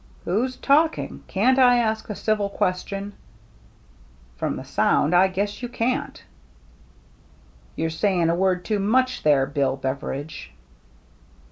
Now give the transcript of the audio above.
"Who's talking? Can't I ask a civil question ?"" From, the sound, I guess you can't." 264 THE MERRT ANNE "You're saying a word too much there, Bill Beveridge!"